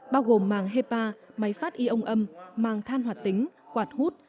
bao gồm màng hepa máy phát ion âm màng than hoạt tính quạt hút